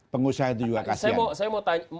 pengusaha itu juga kasian